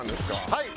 はい。